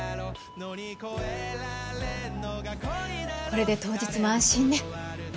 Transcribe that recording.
これで当日も安心ね。